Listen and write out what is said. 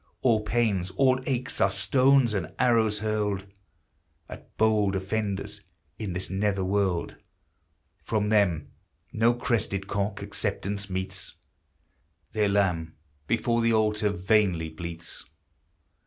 All pains, all aches, are stones and arrows hurled At bold offenders in this nether world ! From them no crested cock acceptance meets! Their lamb before the altar vainly bleats!